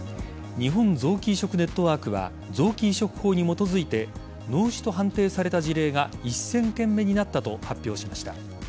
日本臓器移植ネットワークは臓器移植法に基づいて脳死と判定された事例が１０００件目になったと発表しました。